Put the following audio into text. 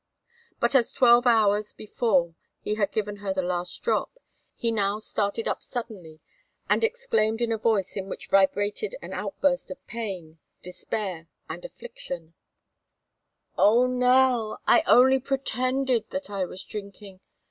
But as twelve hours before he had given her the last drop, he now started up suddenly, and exclaimed in a voice in which vibrated an outburst of pain, despair, and affliction: "Oh, Nell, I only pretended that I was drinking!